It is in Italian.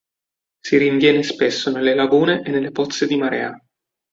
Si rinviene spesso nelle lagune e nelle pozze di marea.